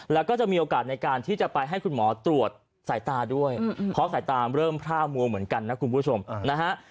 แล้วก็จะมีโอกาสในการที่จะไปให้คุณหมอตรวจสายตาด้วยเพราะสายตาเริ่มพร่ามัวเหมือนกันนะคุณผู้ชมนะฮะ